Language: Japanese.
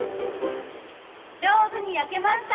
「上手に焼けました！」。